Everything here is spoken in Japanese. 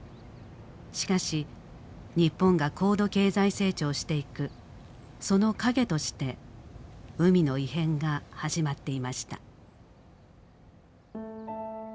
しかし日本が高度経済成長していくその影として海の異変が始まっていました。